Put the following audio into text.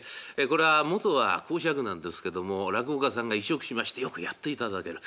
これは元は講釈なんですけども落語家さんが移植しましてよくやっていただける。